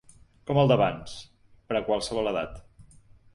Com el d’abans, per a qualsevol edat.